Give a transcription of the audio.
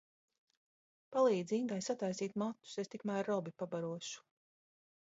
Palīdzi Ingai sataisīt matus, es tikmēr Robi pabarošu!